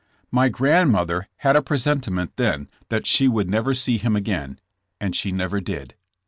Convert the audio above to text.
My grandmother had a presentiment then that she would never see him again, and she never did.